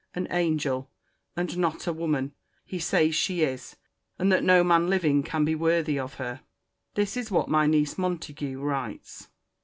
An angel, and not a woman, he says she is: and that no man living can be worthy of her.'— This is what my niece Montague writes.